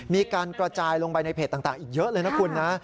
มีการกระจายลงไปในเพจต่างอีกเยอะเลยนะคุณนะ